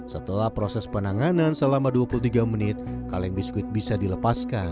setelah proses penanganan selama dua puluh tiga menit kaleng biskuit bisa dilepaskan